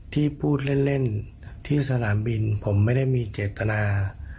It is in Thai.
ที่พูดเล่นที่สนามบินผมไม่ได้มีเจตนา